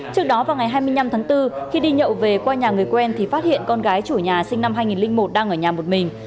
trước đó vào ngày hai mươi năm tháng bốn khi đi nhậu về qua nhà người quen thì phát hiện con gái chủ nhà sinh năm hai nghìn một đang ở nhà một mình